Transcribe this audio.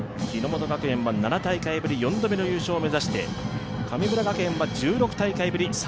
日ノ本学園は７大会ぶり４度目の優勝を目指して神村学園は１６大会ぶり